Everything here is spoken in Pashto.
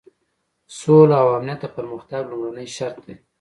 سوله او امنیت د پرمختګ لومړنی شرط دی.